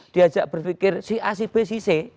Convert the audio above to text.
diajak berpikir si a si b si c